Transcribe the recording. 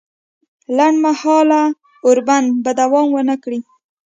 لنډ مهاله اوربند به دوام ونه کړي